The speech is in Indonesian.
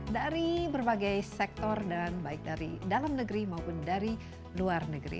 dari berbagai sektor dan baik dari dalam negeri maupun dari luar negeri